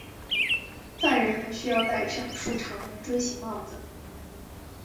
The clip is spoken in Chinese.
犯人还需要戴上竖长圆锥形帽子。